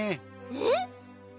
えっ！？